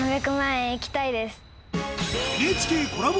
ＮＨＫコラボ